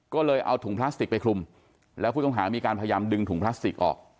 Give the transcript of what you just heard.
ก็เลยเอาถุงพลาสติกไปคลุมแล้วผู้ต้องหามีการพยายามดึงถุงพลาสติกออก